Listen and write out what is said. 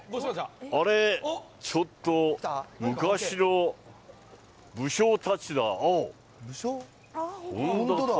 あれ、ちょっと、昔の武将たちだ。